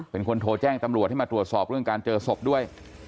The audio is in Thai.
เป็นคนโทรแจ้งตำรวจให้มาตรวจสอบเรื่องการเจอศพด้วย